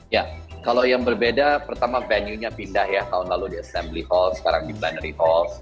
ya kalau yang berbeda pertama venue nya pindah ya tahun lalu di assembly hall sekarang di blenary hall